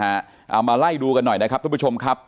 เอามาไล่ดูกันหน่อยนะครับทุกผู้ชมครับ